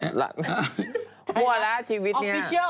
กลัวแล้วชีวิตนี้